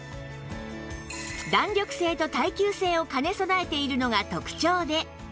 弾力性と耐久性を兼ね備えているのが特長で